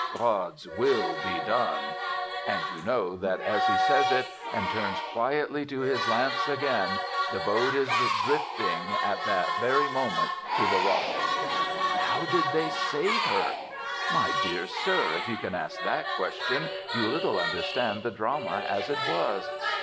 God's will be done." And you know that as he says it and turns quietly to his lamps again, the boat is drifting, at that very moment, to the rocks. "How did they save her?" My dear sir, if you can ask that question you little understand the drama as it was.